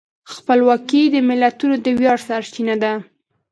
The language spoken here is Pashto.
خپلواکي د ملتونو د ویاړ سرچینه ده.